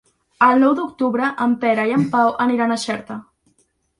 El nou d'octubre en Pere i en Pau aniran a Xerta.